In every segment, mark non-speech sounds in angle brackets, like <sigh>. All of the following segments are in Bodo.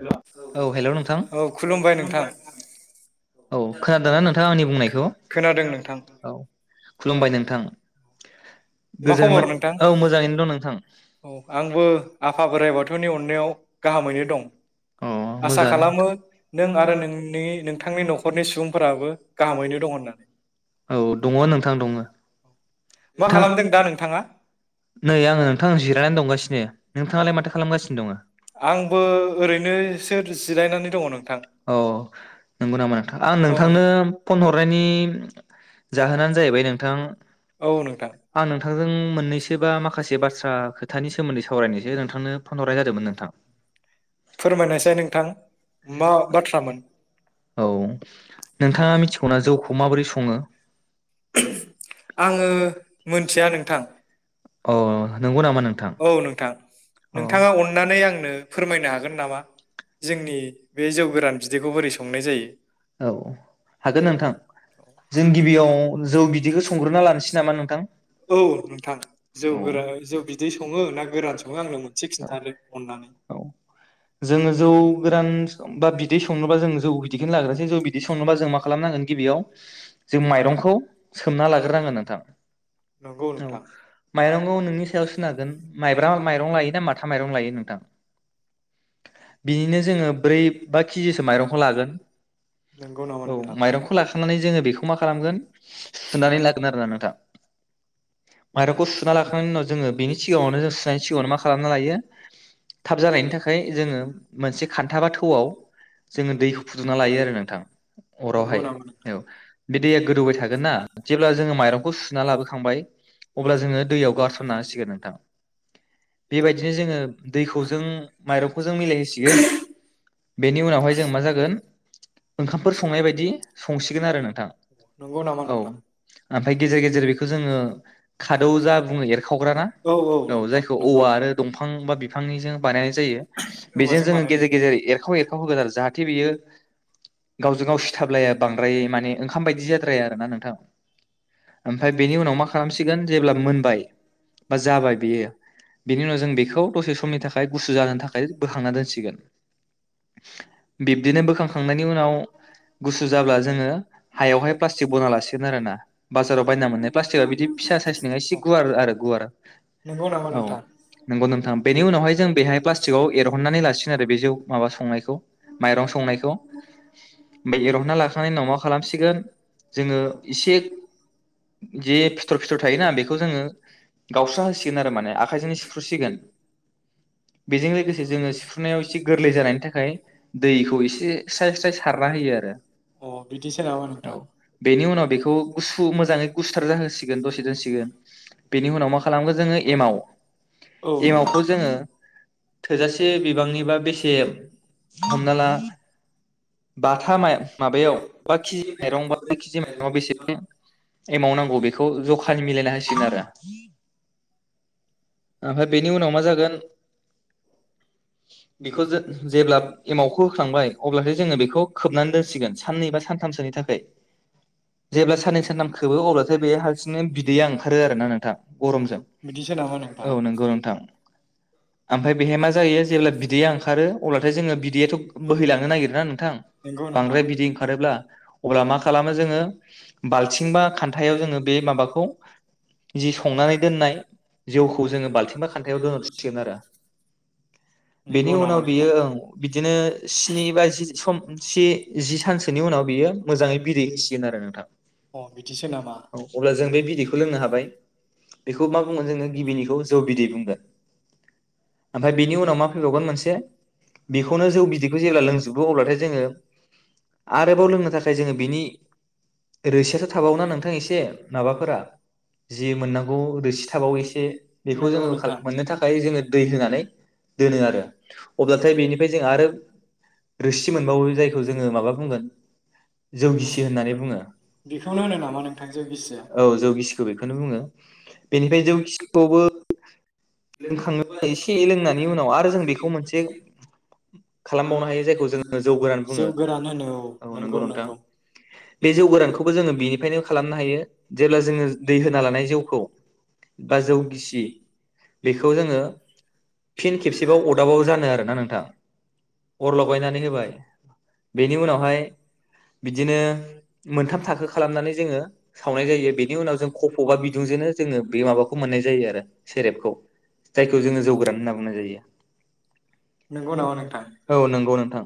हेलौ, औ हेल' नोंथां औ खुलुमबाय नोंथां औुमबाय औ खोनादों ना नोंथां आंनि बुंनायखौ? खोनादों नोंथां औ खुलुमबाय नोंथां। मा गोजोन मोन खबर नोंथां? औ मोजाङैनो दं नोंथां औ आंबो आफा बोराइ बाथौनि अननायाव गाहामैनो दं। अ आसा मोजांङानो खालामो नों आरो नोंनि नोंथांनि नोंथां। न'खरनि सुबुंफोराबो गाहामैनो दं होननानै औ दङ नोंथां दङो। मा खालामदों दा नोंथां नोंथाङा नै आङो नोंथां जिरायनानै दंगासिनो। नोंथाङालाय माथो खालामगासिनो दङो? आंबो ओरैनोसो जिरायनानै दङ नोंथां औ नंगौ नामा नोंथां आं औ नोंथांनो फन हरनायनि जाहोनानो जाहैबाय नोंथां औ नोंथां आं नोंथांजों मोननैसो बा माखासे बाथ्रा खोथानि सो सोमोन्दै सरायनायसै नोंथांनो फन हरनाय जादोंमोन नोंथां। फोरमायनोसै नोंथां मा बाथ्रामोन मा <unintelligible> औ। नोंथाङा मिथिगौना जौखौ माबोरै सङो? ङो मिथिया नोंथां। अ नंगौ नामा? नोंथां औ नोंथां। औ नोंथाङा अन्नानै आंनो फोरमायनो हागोन नामा जोंनि बे जौ गोरान बिदैखौ बोरै संनाय जायो? औ हागोन नोंथां जों गिबियाव जौ बिदैखौ संग्रोना लानोसै <unintelligible> नामा नोंथां औ नोंथां जौ गोरा जौ बि औ अननानै जोङो जौ गोरान बा बिदै संनोबा जों जौ बिदैखौनो लाग्रोसै जौ बिदै संनोबा जों मा खालामनांगोन गिबियाव जों माइरंखौ सोमना लाग्रोनांगोन नोंथां। नंगौ औ नोंथां माइरंखौ नोंनि सायावसो जागोन माइब्रा माइरं लायोना माथा माइरं लायो नोंथां। बिनिनो जोङो ब्रै बा केजिसो माइरंखौ लागोन। नंगौ नामा औ नोंथां माइरंखौ लाखांनानै जोङो बेखौ मा खालामगोन सुनानै लागोन आरोना नोंथां। माइरंखौ सुना लाखांनायनि उनाव जोङो बेनि सिगाङावनो जों सुनायनि सिगाङावनो मा खालामना लायो थाब जानायनि थाखाय जोङो मोनसे खान्था बा थौआव जोङो दैखौ फुदुंना लायो आरो नोंथां नंगौ अरावहाय नामा नोंथां औ बे दैया गोदौबाय थागोन ना जेब्ला जोङो माइरंखौ सु ना लाबोखांबाय अब्ला जोङो दैयाव गारसनना होसिगोन नोंथां। बेबायदिनो जोङो दैखौ जों माइरंखौ जों मिलायहोसिगोन बेनि उनावहाय जों मा जागोन ओंखामफोर संनाय बायदि संसिगोन आरो नोंथां। नंगौ नामा औ नोंथां आमफ्राय गेजेर गेजेर जेरै बेखौ जोङो खादौ जा बुङो एरखावग्राना औ औ नोंथां जायखौ नंगौ औवा आरो दंफां बा बिफांनिजों बानायनाय जायो बेजों औवाजों जोङो गेजेर गेजेर बानायनाय एरखाव एरखाव होग्रा आरो जाहाथे बेयो गावजों गाव सिथाबलाया बांद्राय माने ओंखाम बायदि जाद्राया आरो ना नोंथां। आमफ्राय बेनि उनाव मा खालामसि <unintelligible> जेब्ला मोनबाय बा जाबाय बेयो बेनि उनाव जों बेखौ दसे समनि थाखाय गुसु जानो थाखाय बोखांना दोनसिगेन। बिब्दिनो बोखांखांनायनि उनाव गुसु जाब्ला जोङो हायावहाय प्लासटिक बना लासिगोन आरोना <unintelligible> <unintelligible> बायना मोन प्लाटिकआ बिदि फिसा साइस नङा एसे गुवार आरो गुवार नंगौ नामा औ नोंथां नंगौ नोंथां बेनि उनावहाय जों बेहाय प्लास्टिकआव एरहननानै लासिगोन आरो बे जौ माबा संनायखौ माइरं संनायखौ बे एरहनना लाखांनायनि उनाव मा खालामसिगोन जोङो एसे जे फिथर -फिथर थायोना बेखौ जोङो गावस्रा होसिगोन आरो माने आखायजोंनो सिफ्रुसिगोन बेजों लोगोसे जोङो सिफ्रुनायाव एसे गोरलै जानायनि थाखाय दैखौ एसे स्राय -स्राय सारना होयो आरो अ बिदिसो नामा औ नोंथां बेनि उनाव बेखौ गुसु मोजां गुस्थार जाहोसिगोन दसे दोनसिगोन बेनि उनाव मा खालामगोन जोङो एमाव औ -एमावखौ जोङो थोजासे बिबांनिबा बेसे हमना ला बाथा माबायाव बा केजि माइरं बा केजि माइरंआव बेसे एमाउ नांगौ बेखौ जखानि मिलायना होसिगोन आरो आमफ्राय बेनि उनाव मा जागोन बेखौ जो जेब्ला एमावखौ होखांबाय अब्लासो जोङो बेखौ खोबनानै दोनसिगोन साननै बा सानथामसोनि थाखाय। जेब्ला साननै सानथाम खोबो अब्लाथाय बे हालसिंनो बिदैया ओंखारो आरोना नोंथां गरमजों। बिदिसो नामा औ नोंथां नंगौ नोंथां ओमफ्राय बेहाय मा जायो जेब्ला बिदैया ओंखारो अब्लाथाय जोङो बिदैयाथ' बोहैलांनो नागिरोना नोंथां नंगौ नोंथां बांद्राय बिदै ओंखारोब्ला अब्ला मा खालामो जोङो बालथिंबा खान्थायाव जोङो बे माबाखौ जि संनानै दोननाय जौखौ जोङो बाल्थिंबा खान्थायाव दोनहरसिगोन आरो। बेनि नंगौ नामा उनाव बियो नोंथां ओं बिदिनो स्नि बा जि सम जि सानसोनि उनाव बियो मोजाङै बिदै होसिगोन आरो। नोंथां। अ बिदिसो नामा औ अब्ला जों बे बिदैखौ लोंनो हाबाय बेखौ मा बुंगोन जोङो गिबिनिखौ जौ बिदै बुंगोन ओमफ्राय बेनि उनाव मा फैबावगोन मोनसे बेखौनो जौ बिदैखौ जेब्ला लोंजोबो अब्लाथाय जोङो आरोबाव लोंनो थाखाय जोङो बिनि रोसि थाबावना नोंथां एसे माबाफोरा जि मोननांगौ रोसि थाबावो एसे बेखौ नंगौ जोङो नोंथां मोननो थाखाय जोङो दै होनानै दोनो आरो अब्लाथाय बेनिफ्राय जों आरो रोसि मोनबावो जायखौ जोङो माबा बुंगोन जौगिसि होननानै बुङो। <unintelligible> बेखौनो होनो नामा नोंथां जौ गोसिया औ जौगिसिखौ बेखौनो बुङो गिसि बेनिफ्राय बेखौनो जौगिसिखौबो बुङो। लोंखाङो एसे लोंनायनि उनाव आरो जों बेखौ मोनसे खालामबावनो हायो जायखौ जोङो गोरान जौ बुङो गोरान होनो औ नंगौ नंगौ। बे <unintelligible> जोङो बेनिफ्रायनो खालामनो हायो जेब्ला जोङो दै होना लानाय जौखौ बा जौ गिसि बेखौ जोङो फिन खेबसेबाव अदाबाव जानो आरोना नोंथां अर लगायनानै होबाय बेनि उनावहाय बिदिनो मोनथाम थाखो खालामनानै जोङो सावनाय जायो। बेनि उनाव जों खफ' बा बिदुंजोंनो जोङो बे माबाखौ मोननाय जायो आरो सेरेबखौ। जायखौ जोङो जौ गोरान होनना बुंनाय जायो। औ नंगौ नोंथां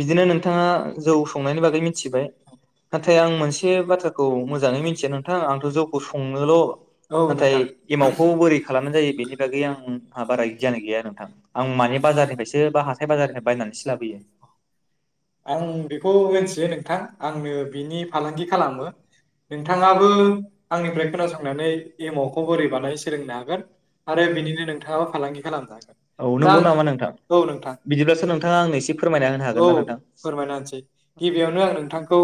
बिदिनो नोंथाङा जौ संनायनि बागै मिथिबाय नाथाय आं मोनसे बाथ्राखौ मोजाङै मिथिया नोंथां आंथ' जौखौ सङोल' नाथाय एमावखौ बोरै खालामनाय जायो बेनि गैया आंहा बारा गियान गैया नोंथां आं माने बाजारनि बा हाथाय बाजारनिफ्राय बायनानैसो लाबोयो आं बेखौ मिथियो नोंथां आङो बिनि फालांगि खालामो नोंथाङाबो आंनिफ्राय खोनासंनानै एमावखौ बोरै बानायो सोलोंनांगौ बेखौ आरो बिनिनो नोंथाङाबो फालांगि खालामनो हागोन औ दा नंगौ आङो नामा नोंथां। औ बिदिब्लाथ' नोंथाङा आंनो एसे फोरमायना होनो हागोन औ ना नोंथां? गिबियावनो आं नोंथांखौ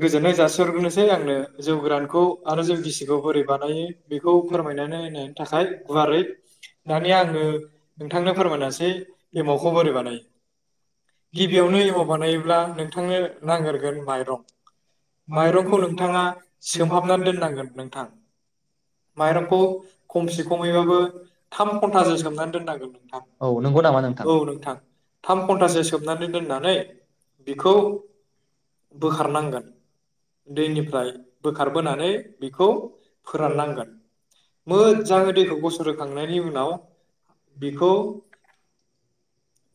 गोजोननाय जासिहग्रोनोसै आंनो जौ गोरानखौ आरो जौ गिसिखौ बोरै बानायो बेखौ फोरायनायनै होनायनि था <unintelligible> गुवारै दानिया आङो नोंथांनो फोरमायनासै <unintelligible> एमावखौ बोरै बानायो गिबियावनो एमाव बानायोब्ला नोंथांनो नागोरगोन माइरं माइरंखौ नोंथाङा सोमहाबनानै दोननांगोन नोंथां माइरंखौ खमसे खमैबाबो थाम घन्टासो सोमनानै दोननांगोन नोंथां। औ नंगौ नामा नोंथां औ नोंथां थाम घन्टासो सोमनानै दोननानै बेखौ बोखारनांगोन दैनिफ्राय बोखारबोनानै बेखौ फोराननांगोन। मोजाङै दैखौ गसर होखांनायनि उनाव बिखौ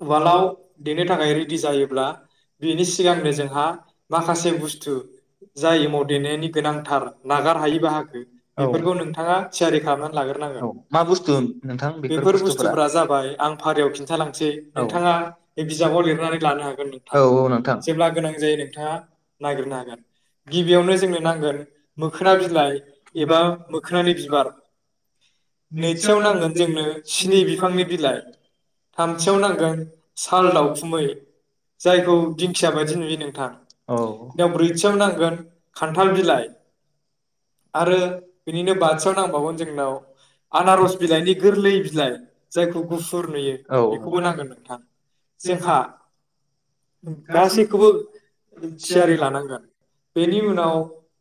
उवालाव देनो थाखाय रेडि जायोब्ला बेनि सिगांनो जोंहा माखासे बुस्थु जाय एमाव देनायनि गोनांथार नागारहायि बाहागो औ बेफोरखौ नोंथाङा थियारि खालामनानै लाग्रोनांगोन मा बुस्थु नोंथां बेफोर बुस्थुफोरा? आं फारियाव खिन्थालांसै औ नोंथाङा बे बिजाबाव लिरनानै लानो हागोन नोंथां औ औ नोंथां जेब्ला गोनां जायो नोंथाङा नागिरनो हागोन गिबियावनो जोंनो नांगोन मोखोना बिलाइ एबा मोख <unintelligible> बिबार नैथियाव नांगोन जोंनो स्नि बिफांनि बिलाइ थामथियाव नांगोन साल दावखुमै जायखौ दिंखिया बायदि नुयो नोंथां औ औ दा ब्रैथियाव नांगोन खान्थाल बिलाइ आरो बिदिनो बाथिया बाथियाव नांबावगोन जोंनाव आनारस बिलाइनि गोरलै बिलाइ जायखौ गुफ नुयो औ बेखौबो नांगोन नोंथां जोंहा गासैखौबो थियारि लानांगोन बेनि उनाव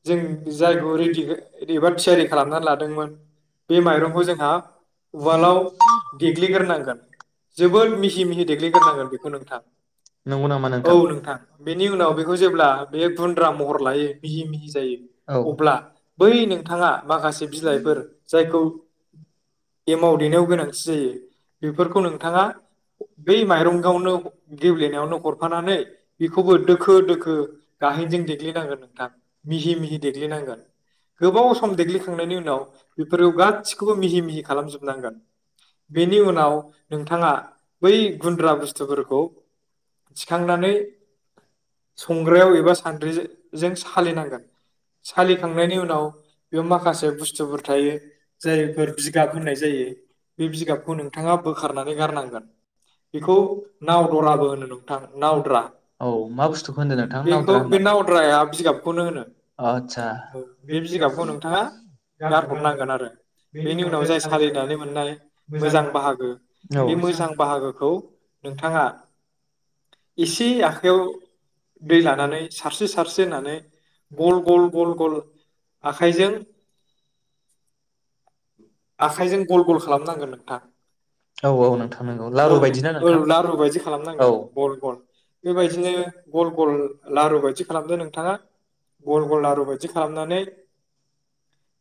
जों जायखौ रिडि थियारि खालामनानै लादोंमोन बे माइरंखौ जोंहा उवालाव देग्लिगोरनांगोन। बेखौ नोंथां नंगौ नामा औ नोंथां बेनि उनाव बेखौ जेब्ला बे गुन्द्रा महर लायो मिहि मिहि औ फ्रा माखासे बिलाइफोर जायखौ एमाव देनायाव गोनांथि जायो। बेफोरखौ नोंथाङा बै माइरं गावनो गेब्लेनायावनो हरफानानै बेखौबो दोखो दोखो गाहेनजों देग्लिनांगोन नोंथां मिहि मिहि देग्लिनांगोन गोबाव सम देग्लिखांनायनि उनाव बेफोरखौ गासिखौबो मिहि मिह खालामोबनांगोन बेनि उन नाव नोंथाङा बै गुन्द्रा बुस्थुफोरखौ थिखांनानै संग्रायाव एबा सान्द्रिजों सालिनांगोन सालिखांनायनि उनाव बेयाव माखासे बुस्थुफोर थायो जायफोर बिगाब होननाय जायो बे बिगाबखौनो औ बेखौ नावदराबो होनो नोंथां नावद्रा मा बुस्थुखौ होनदों नोंथां बेखौ नावद्रा बे नावद्राया ओ बिगाबखौनो होनो आदसा नोंथांङा गारहरनांगोन आरो बेनि उनाव जाय सलिनानै मोननाय मोजां बाहागो औ बे मोजां बाहागोखौ नोंथाङा एसे आखाइयाव दै लानानै सारस्रि सारस्रि होननानै गल गल गल आखाइजों आखाइजों गल गल खालामनांगोन नोंथां औ औ नोंथां नंगौ औ लारु बायदिना नोंथां <inaudible> लारु बायदि औ खालामनांगौ गल गल बेबायदिनो गल गल लारु बायदि खालामदो नोंथाङा गल गल लारु बायदि खालामनानै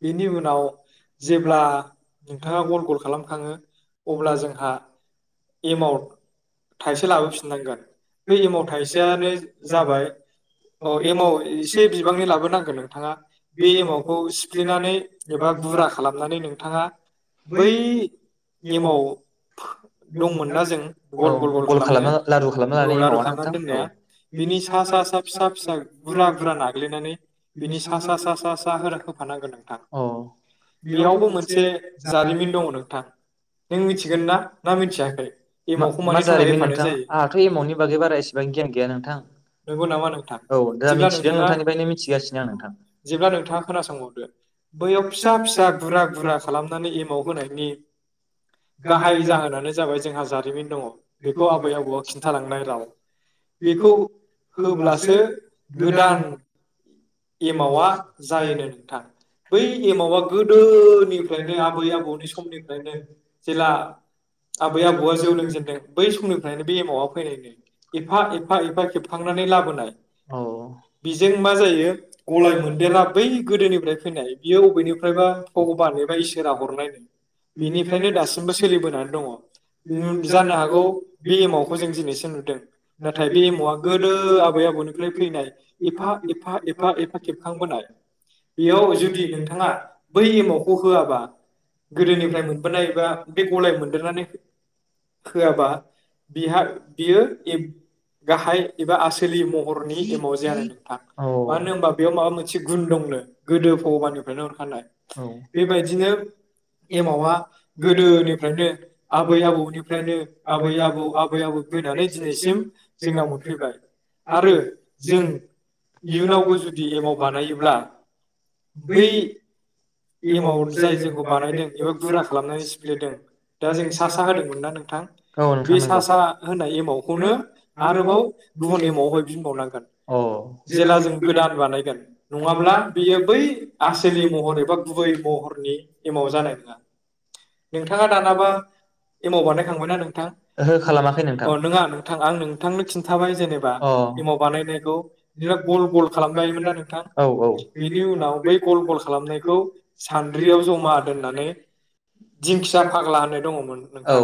बेनि उनाव जेब्ला नोंथाङा गल गल खालाम खाङो अब्ला जोंहा एमाव थाइसे लाबो फिननांगोन बे एमाव थाइसे यानो जाबाय औ एमाव एसे बिबांनि लाबो नांगोन नोंथाङा बे एमावखौ सिफ्लेनानै एबा गुरा लानानै नोंथाङा बै एमाव दंमोन ना जों औ गल गल गल खालामनाय खालामना लारु खालामना औ लानायनि लारु एमावा ना खालामना नोंथां औ दोननाया बिनि सा सा सा फिसा फिसा गुरा गुरा नाग्लिनानै बिनि सा सा सा सा सा हो होफानांगोन नोंथां। औ बेयावबो मोनसे जारिमिन दं नोंथां नों मिथिगोन ना ना मिथिया मिथियाखै एमावखौ मानि मा थाखाय जारिमिन होफानाय नोंथां जायो आंहाथ' एमावनि बागै बारा एसेबां गियान गैया नोंथां नंगौ नामा नोंथां औ दा जेब्ला मिथिदों नोंथाङा नोंथांनिफ्रायनो मिथिगासिनो आं नोंथां <inaudible> जेब्ला नोंथाङा खोना संबावदो बैयाव फिसा फिसा गुरा गुरा खालामनानै एमाव होनायनि गाहाय जाहोनानो जाबाय जोंहा जारिमिन दङ बेखौ आबै आबौआ खिन्था लांनाय राव बेखौ होब्लासो गोदान एमावा जायोनो नोंथां बै एमावा गोदो निफ्रायनो आबै आबौनि समनि फ्रायनो जेला आबै आबौ आ जौ लोंजेनदों बै सम निफ्रायनो बे एमावा फैनायनो एफा एफा एफा खेब <unintelligible> औ, बेजों मा जायो? गलाय मोनदेरा बै गोदोनिफ्राय फैनाय बियो बबे निफ्रायबा भगबान एबा इसोरा हरनाय, बेनिफ्रायनो दासिमबो सोलिबोनानै दङ जानो हागौ बे एमावखौ जों दिनैसो नुदों नाथाय बे एमाव आ गोदो आबै आबौ निफ्राय फैनाय एफा एफा एफ एफा एफा खेबखां बोनाय बेयाव जुदि नोंथाङा बै एमावखौ हो आबा गोदो निफ्राय मोनबोनाय एबा बे गलाय मोनदेर नानै होआबा औ बिहा नोंथां बियो गाहाय एबा आसोलि महरनि एमाव जायानो नोंथां। मानो होनबा बेयाव माबा मोनसे गुन दंनो गोदो भगबान <inaudible> नो, बेबायदिनो एमावा गोदोनिनो आबै आबौ निफ्रायनो आबै आबौ आबै आबौ फैनानै थिनायसिम जोंहा फैबाय आरो जों इयुनावबो जुदि जुदि एमाव बानायोब्ला बै एमाव जाय जोंखौ बानायदों बेबो बुरजा खालामनाय <inaudible> दा जों सा सा <inaudible> औ नोंथां बे सा सा <inaudible> खौनो आरोबाव गुबुन एमा वहाय फिन बावनांगोन जेला जों गोदान बानायगोन नङाब्ला बै आसोलि महर एबा गुबै महरनि एमाव जानाय नङा नोंथाङा दानाबा एमाव बानाय खांबाय ना नोंथां? ओहो खालामाखै अ नङा नोंथां आं नोंथांनो खि <inaudible> बेयाव गल बिदिनो गल गल <inaudible> खालामबायमोन ना नोंथां औ औ। बेनि उनाव बै गल गल खालामनायखौ सान्द्रियाव जमा दोननानै दिंखिया फाग्ला होननाय दङ मोन औ नोंथां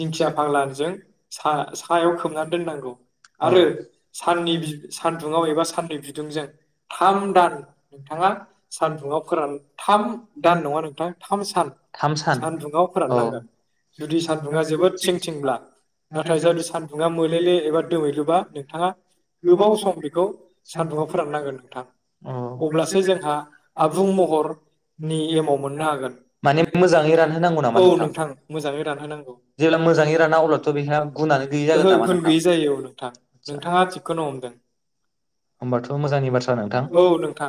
दिंखिया फाग्लाजों सा सायाव खोबनानै दोननांगौ। आरो साननि सान्दुुंआव एबा साननै बिदुंजों थाम दान। नोंथाङा सानदुङाव फोरान थाम दान नङा नोंथां थाम सान सानदुङाव फोराननांगोन जुदि सानदुङा जोबोद थिं थिंब्ला नाथाय जुदि सानदुङा मोलेले एबा <inaudible> दोमैलुबा नोंथाङा गोबाव सम बेखौ सान्दुंङाआव फोराननांगोन अ नोंथाङा अब्लासो। जोंहा आबुं महरनि एमाव मोननो हागोन माने मोजाङै रानहोनांगौ औ नामा नोंथां मोजाङै रानहोनांगौ जेब्ला मोजाङै रानना अब्लाथ' बेहा गुनानो गैयि जागोन ओहो नामा गुन नोंथां। गैयि जायो औ नोंथां नोंथाङा थिगखौनो हमदों होनबाथ' मोजांनि बाथ्रा नोंथां। औ नोंथां